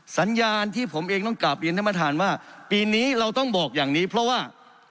สัญญาณที่ผมเองต้องกลับเรียนท่านประธานว่าปีนี้เราต้องบอกอย่างนี้เพราะว่า